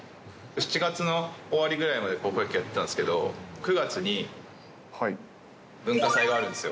７月の終わりぐらいまで高校野球やってたんですけど、９月に文化祭があるんですよ。